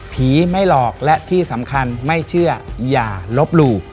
ไม่หลอกและที่สำคัญไม่เชื่ออย่าลบหลู่